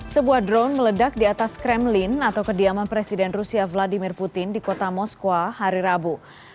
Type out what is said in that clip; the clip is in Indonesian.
sebuah drone meledak di atas kremlin atau kediaman presiden rusia vladimir putin di kota moskwa hari rabu